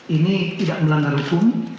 ini tidak melanggar hukum